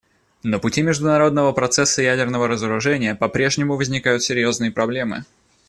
На пути международного процесса ядерного разоружения попрежнему возникают серьезные проблемы.